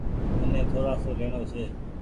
مني ٿوڙآ سون ليڻو ڇي۔